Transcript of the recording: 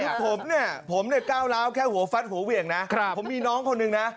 คือผมเนี่ยผมเนี่ยก้าวร้าวแค่หัวฟัดหัวเหวี่ยงนะผมมีน้องคนนึงนะ